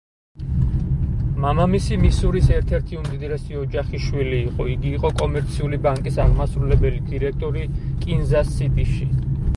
მამამისი მისურის ერთ-ერთი უმდიდრესი ოჯახის შვილი იყო, იგი იყო კომერციული ბანკის აღმასრულებელი დირექტორი კინზას-სიტიში.